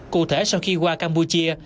cụ thể sau khi qua campuchia